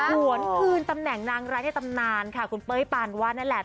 หวนคืนตำแหน่งนางร้ายในตำนานค่ะคุณเป้ยปานวาดนั่นแหละ